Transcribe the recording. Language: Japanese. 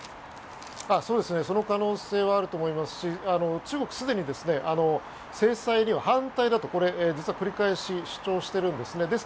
その可能性はあると思いますし中国はすでに制裁には反対だと実は繰り返し主張しているんですね。